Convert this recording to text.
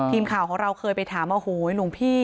ทีมข่าวของเราเคยไปถามโอ้โหหลวงพี่